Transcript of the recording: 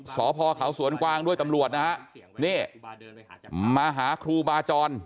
สพเขาสวนกวางด้วยตำรวจนะฮะนี่มาหาครูบาจร